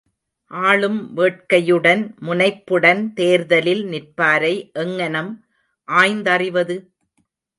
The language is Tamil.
ஆளும் வேட்கையுடன் முனைப்புடன் தேர்தலில் நிற்பாரை எங்ஙனம் ஆய்ந்தறிவது?